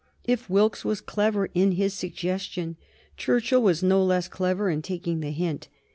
If Wilkes was clever in his suggestion Churchill was no less clever in taking the hint.